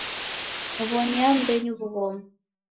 Wonia mmbenyu wughoma